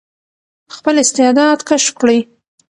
خپل استعداد کشف کړئ.